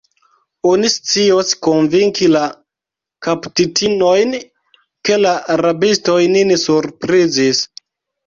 Oni scios konvinki la kaptitinojn, ke la rabistoj nin surprizis.